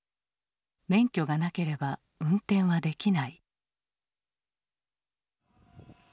免許がなければ運転はできない。